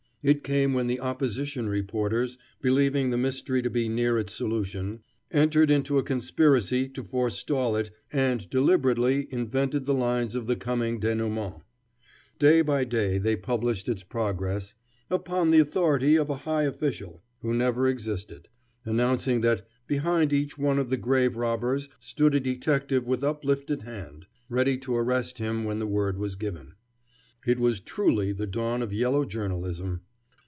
It came when the opposition reporters, believing the mystery to be near its solution, [Footnote: This was, as nearly as I remember, in the autumn of 1879, the year following the robbery] entered into a conspiracy to forestall it and deliberately invented the lines of the coming denouement. Day by day they published its progress "upon the authority of a high official" who never existed, announcing that "behind each one of the grave robbers stood a detective with uplifted hand" ready to arrest him when the word was given. It was truly the dawn of yellow journalism.